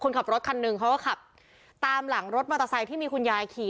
ขับรถคันหนึ่งเขาก็ขับตามหลังรถมอเตอร์ไซค์ที่มีคุณยายขี่